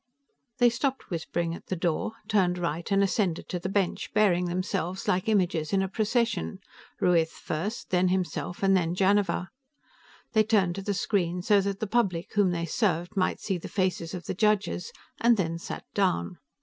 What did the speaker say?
XVI They stopped whispering at the door, turned right, and ascended to the bench, bearing themselves like images in a procession, Ruiz first, then himself and then Janiver. They turned to the screen so that the public whom they served might see the faces of the judges, and then sat down.